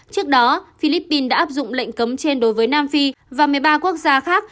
trước đó philippines đã áp dụng lệnh cấm trên đối với nam phi và một mươi ba quốc gia khác